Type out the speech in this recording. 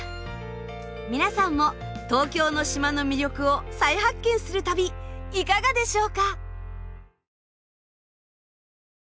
皆さんも東京の島の魅力を再発見する旅いかがでしょうか？